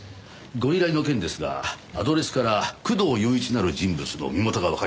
ご依頼の件ですがアドレスから工藤勇一なる人物の身元がわかりました。